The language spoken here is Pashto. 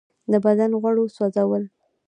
د بدن غوړو سوځول.